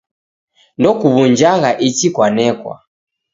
Ndokuw'unjagha ichi kwanekwa.